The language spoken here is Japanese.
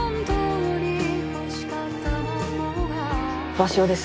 鷲尾です